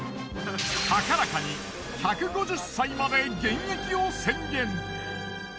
高らかに１５０歳まで現役を宣言。